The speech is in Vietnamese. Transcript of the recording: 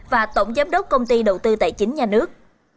và tổng giám đốc công ty đầu tư tài chính nhà nước